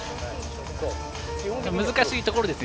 難しいところですね。